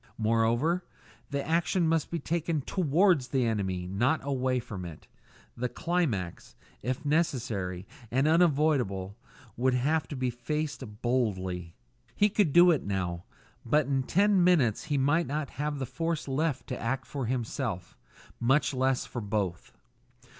Moreover, the action must be taken towards the enemy, not away from it; the climax, if necessary and unavoidable, would have to be faced boldly. He could do it now; but in ten minutes he might not have the force left to act for himself, much less for both!